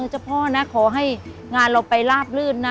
เจ้าพ่อนะขอให้งานเราไปลาบลื่นนะ